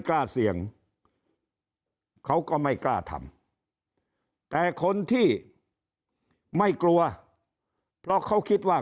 กล้าเสี่ยงเขาก็ไม่กล้าทำแต่คนที่ไม่กลัวเพราะเขาคิดว่า